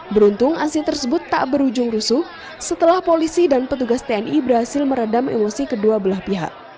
beruntung aksi tersebut tak berujung rusuh setelah polisi dan petugas tni berhasil meredam emosi kedua belah pihak